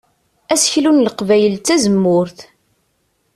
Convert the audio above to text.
Aseklu n Leqbayel d tazemmurt.